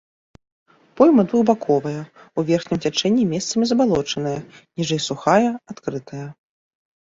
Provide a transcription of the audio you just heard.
Пойма двухбаковая, у верхнім цячэнні месцамі забалочаная, ніжэй сухая, адкрытая.